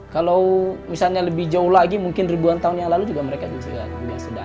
kalau misalnya lebih jauh lagi mungkin ribuan tahun yang lalu juga mereka